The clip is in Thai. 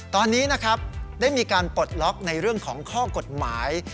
ตอนนี้นะครับได้มีการปลดล็อกในเรื่องของข้อกฎหมาย